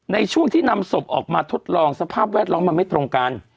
ในช่วงที่นำศพออกมาทดลองสภาพแวดล้อมมันไม่ตรงกัน